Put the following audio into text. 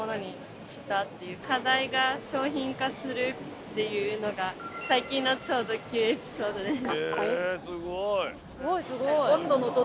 っていうのが最近の超ド級エピソードです。